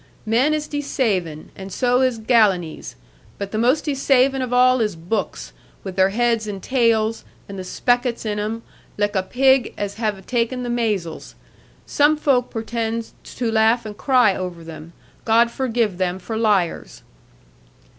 Men is desaving and so is galanies; but the most desaving of all is books, with their heads and tails, and the speckots in 'em, lik a peg as have taken the maisles. Some folk purtends to laugh and cry over them. God forgive them for liars!'